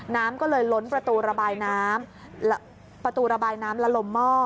น้ำก็เลยล้นประตูระบายน้ำประตูระบายน้ำละลมหม้อ